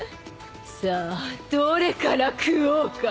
さあどれから喰おうか。